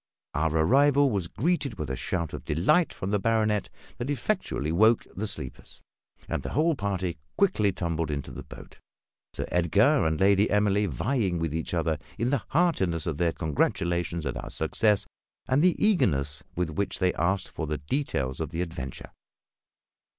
Our arrival was greeted with a shout of delight from the baronet that effectually awoke the sleepers; and the whole party quickly tumbled into the boat, Sir Edgar and Lady Emily vying with each other in the heartiness of their congratulations at our success and the eagerness with which they asked for details of the adventure.